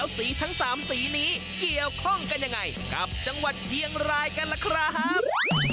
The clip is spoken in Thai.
สีทั้ง๓สีนี้เกี่ยวข้องกันยังไงกับจังหวัดเชียงรายกันล่ะครับ